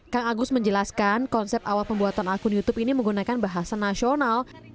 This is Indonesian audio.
kang agus menjelaskan konsep awal pembuatan akun youtube ini menggunakan bahasa nasional